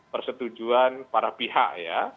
persetujuan para pihak ya